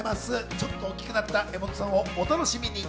ちょっと大きくなった柄本さんをお楽しみに。